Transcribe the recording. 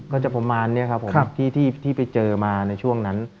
ก็จะประมาณนี้ครับผมที่ไปเจอมาในช่วงนั้น